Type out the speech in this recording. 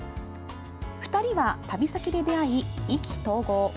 ２人は旅先で出会い、意気投合。